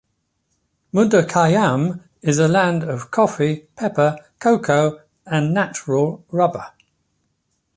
Mundakayam is a land of coffee, pepper, cocoa and natural rubber.